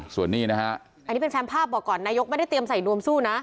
ส่วนนี้นะฮะอันนี้เป็นแรมภาพบอกก่อนนายกไม่ได้เตรียมใส่นวมสู้นะ